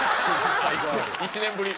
１年ぶり。